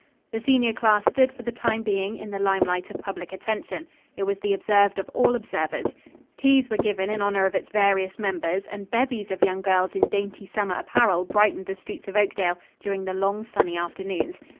The senior class stood for the time being in the limelight of public attention. It was the observed of all observers. Teas were given in honor of its various members, and bevies of young girls in dainty summer apparel brightened the streets of Oakdale, during the long sunny afternoons.